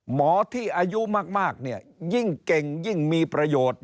หมอที่อายุมากเนี่ยยิ่งเก่งยิ่งมีประโยชน์